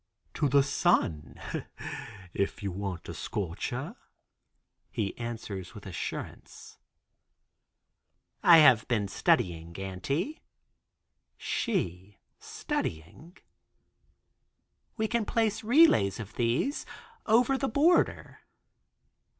"To the sun, if you want a scorcher," he answers with assurance. "I have been studying, Auntie." She studying, "We can place relays of these over the border."